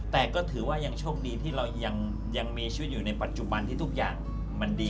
แต่ก็ถือว่ายังโชคดีที่เรายังมีชีวิตอยู่ในปัจจุบันที่ทุกอย่างมันดี